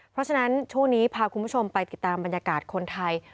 เพราะฉะนั้นช่วงนี้พาคุณผู้ชมไปติดตามบรรยากาศคนไทย